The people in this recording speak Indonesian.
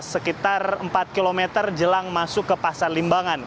sekitar empat km jelang masuk ke pasar limbangan